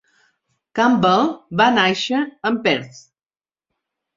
Campbell va nàixer en Perth.